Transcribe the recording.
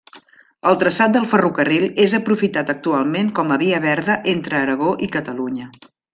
El traçat del ferrocarril és aprofitat actualment com a via verda entre Aragó i Catalunya.